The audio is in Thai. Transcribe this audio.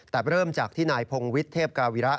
แต่เริ่มจากที่นายพงวิทย์เทพกาวิระ